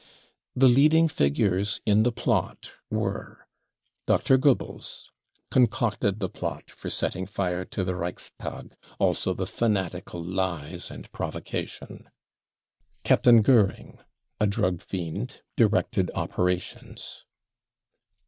The leading figures in the plot were : Dr. Goebbels : concocted the plot for setting fire to the Reichstag, also the fanatical lies and provocation. Captain Goering ; a drug fiend, directed operations.